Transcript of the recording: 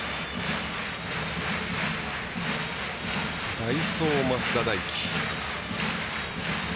代走、増田大輝。